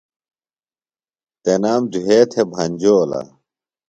تنام دُھوے تھےۡ بھنجولہ۔